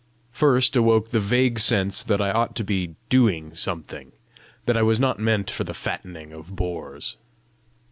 First awoke the vague sense that I ought to be doing something; that I was not meant for the fattening of boors!